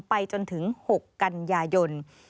ไปจนถึง๖กันยายน